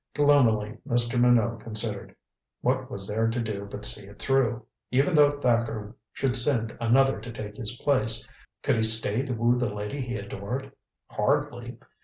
Gloomily Mr. Minot considered. What was there to do but see it through? Even though Thacker should send another to take his place, could he stay to woo the lady he adored? Hardly.